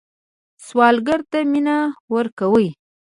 سوالګر ته مینه ورکوئ